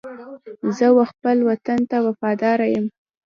زه و خپل وطن ته وفاداره یم.